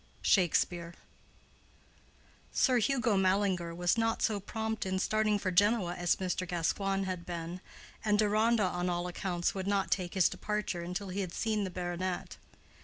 —SHAKESPEARE. Sir Hugo Mallinger was not so prompt in starting for Genoa as Mr. Gascoigne had been, and Deronda on all accounts would not take his departure until he had seen the baronet.